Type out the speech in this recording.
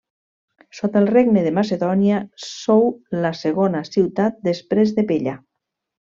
Sota el regne de Macedònia sou la segona ciutat després de Pella.